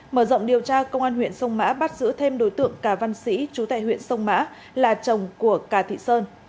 mở rộng điều tra công an huyện sông mã bắt giữ thêm đối tượng cà văn sĩ chú tại huyện sông mã là chồng của cà thị sơn